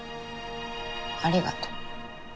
ありがと。